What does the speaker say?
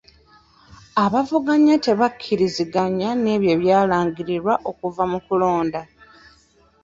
Abavuganya tebakkiriziganya n'ebyo ebyalangirirwa okuva mu kulonda.